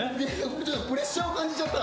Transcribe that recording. ちょっとプレッシャーを感じちゃった。